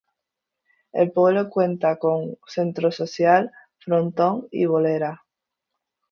El pueblo cuenta con centro social, frontón y bolera.